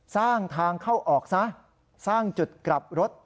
สร้างทางเข้าออกซะสร้างจุดกลับรถ